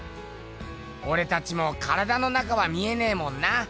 おれたちも体の中は見えねぇもんな。